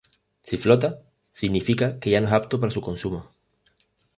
Si flota, significa que ya no es apto para su consumo.